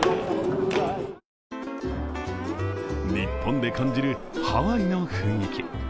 日本で感じるハワイの雰囲気。